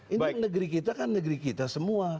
ini negeri kita kan negeri kita semua